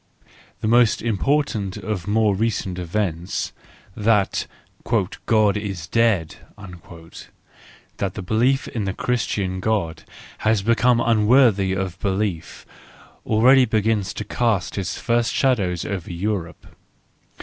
— The most important of more recent events—that "God is dead," that the belief in the Christian God has become unworthy of belief—already begins to cast its first shadows over Europe.